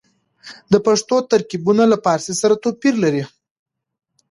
د پښتو ترکيبونه له فارسي سره توپير لري.